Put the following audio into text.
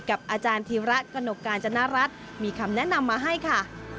กับอาจารย์ธีระกนกกาญจนรัฐมีคำแนะนำมาให้ค่ะ